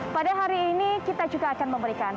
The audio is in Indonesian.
pada hari ini kita juga akan memberikan